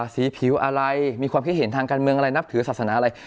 สีผิวอะไรมีความคิดเห็นทางการเมืองอะไรนับถือศาสนาอะไร